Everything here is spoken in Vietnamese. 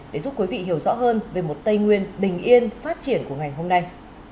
để giúp quý vị hiểu rõ hơn về một tây nguyên bình yên phát triển của ngày hôm nay